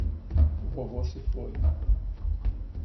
Vovô se foi